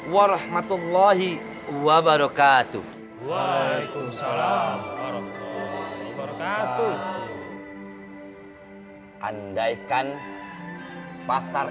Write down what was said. warahmatullahi wabarakatuh waalaikumsalam warahmatullahi wabarakatuh andaikan pasar